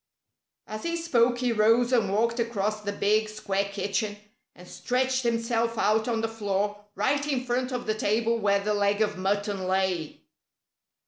As he spoke he rose and walked across the big, square kitchen and stretched himself out on the floor right in front of the table where the leg of mutton lay.